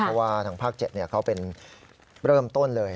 เพราะว่าทางภาค๗เขาเป็นเริ่มต้นเลย